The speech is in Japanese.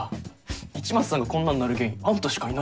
市松さんがこんなんなる原因あんたしかいないんだから。